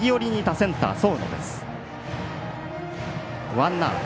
ワンアウト。